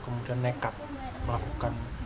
kemudian nekat melakukan